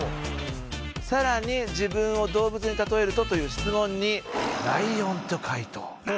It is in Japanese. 「さらに自分を動物に例えると？という質問にライオンと回答」